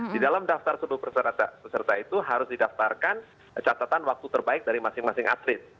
di dalam daftar seluruh peserta itu harus didaftarkan catatan waktu terbaik dari masing masing atlet